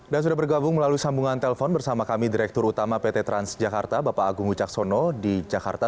dan sudah bergabung melalui sambungan telpon bersama kami direktur utama pt transjakarta bapak agung ucaksono di jakarta